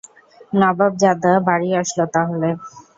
নবাব জাদা বাড়ি আসলো তাহলে?